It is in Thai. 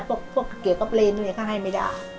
พวกเกี่ยวก็เปลี่ยนเลยเขาให้ไม่ได้